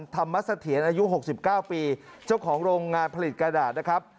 ธรรมสเถียนอายุ๖๙ปีเจ้าของโรงงานผลิตกระดาษ